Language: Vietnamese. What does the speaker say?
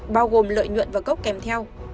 bao gồm lợi nhuận và gốc kèm theo